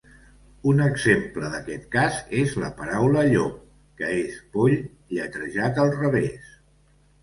Un exemple d'aquest cas és la paraula "llop", que és "poll" lletrejat al revés.